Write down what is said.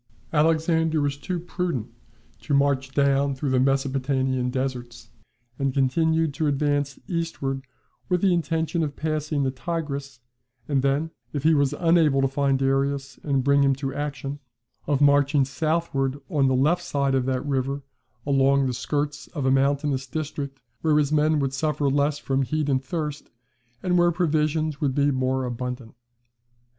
Alexander was too prudent to march down through the Mesopotamian deserts, and continued to advance eastward with the intention of passing the Tigris, and then, if he was unable to find Darius and bring him to action, of marching southward on the left side of that river along the skirts of a mountainous district where his men would suffer less from heat and thirst, and where provisions would be more abundant.